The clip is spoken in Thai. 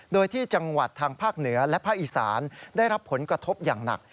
โดยที่จังหวัดทางภาคเหนือและภาคอีสานได้รับผลกระทบอย่างหนัก